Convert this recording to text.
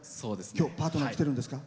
今日、パートナー来てるんですか？